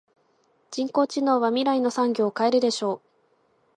人工知能は未来の産業を変えるでしょう。